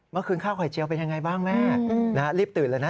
เมื่อคืนข้าวไข่เจียวเป็นยังไงบ้างแม่รีบตื่นเลยนะ